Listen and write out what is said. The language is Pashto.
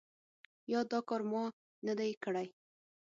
یا دا کار ما نه دی کړی ؟